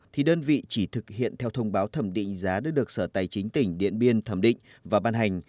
thì đơn vị chỉ thực hiện theo thông báo thẩm định giá đã được sở tài chính tỉnh điện biên thẩm định và ban hành